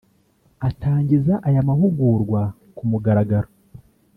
Atangiza aya mahugurwa ku mugaragaro